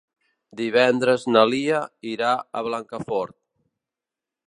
Divendres na Lia irà a Blancafort.